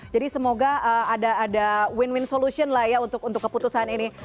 jadi semoga ada ada win win solution lah ya untuk untuk keputusan ini